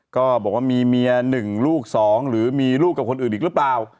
ก็บอกว่ามีเมีย๑ลูก๒หรือมีลูกกับคนอื่นอีกหรือเปล่า